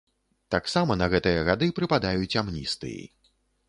Таксама на гэтыя гады прыпадаюць амністыі.